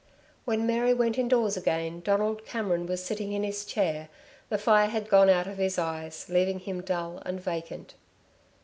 When Mary went indoors again Donald Cameron was sitting in his chair, the fire had gone out of his eyes, leaving him dull and vacant.